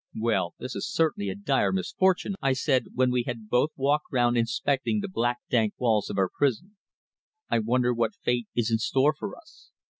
"Well, this is certainly a dire misfortune," I said, when we had both walked round inspecting the black dank walls of our prison. "I wonder what fate is in store for us?"